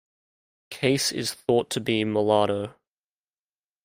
Case is thought to be mulatto.